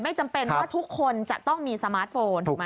จำเป็นว่าทุกคนจะต้องมีสมาร์ทโฟนถูกไหม